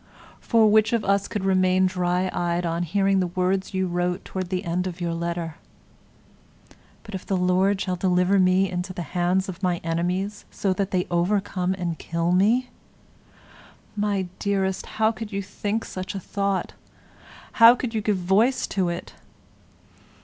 For which of us could remain dry eyed on hearing the words you wrote towards the end of your letter: 'But if the Lord shall deliver me into the hands of my enemies so that they overcome and kill me…'? My dearest, how could you think such a thought? How could you give voice to it?